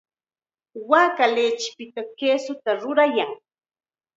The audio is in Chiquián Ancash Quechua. Waaka lichipitam kisuta rurayan.